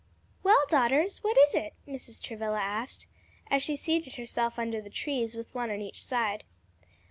"Well, daughters, what is it?" Mrs. Travilla asked, as she seated herself under the trees with one on each side.